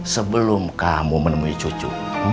sebelum kamu menemui cucu